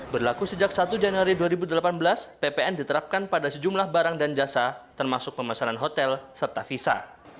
berlaku sejak satu januari dua ribu delapan belas ppn diterapkan pada sejumlah barang dan jasa termasuk pemesanan hotel serta visa